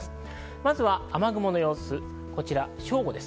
まずは雨雲の様子です。